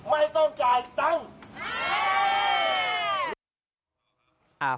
ไม่ต้องจ่ายตังค์